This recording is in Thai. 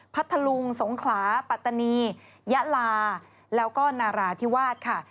พัทธลุงสงขลาปัตตานียะลาแล้วก็นาราธิวาสค่ะ